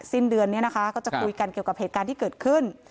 สิ้นเดือนนี้นะคะก็จะคุยกันเกี่ยวกับเหตุการณ์ที่เกิดขึ้น